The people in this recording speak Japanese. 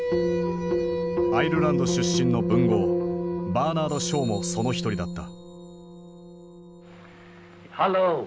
アイルランド出身の文豪バーナード・ショーもその一人だった。